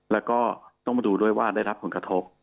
แล้วก็ต้องมาดูด้วยว่าได้รับผลกระทบ